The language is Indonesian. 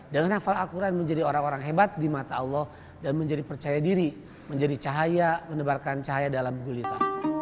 dengan hafal al quran menjadi orang orang hebat di mata allah dan menjadi percaya diri menjadi cahaya menebarkan cahaya dalam gulita